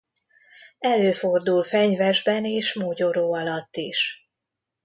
Előfordul fenyvesben és mogyoró alatt is.